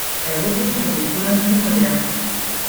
Elles reposent sur des colonnes plus modernes.